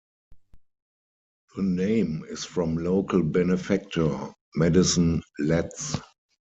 The name is from local benefactor, Maddison Letts.